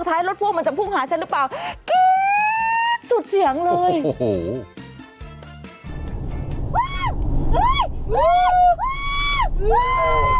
รถพ่วงรถพ่วงมันจะพุ่งหาฉันหรือเปล่ากรี๊ดสุดเสียงเลย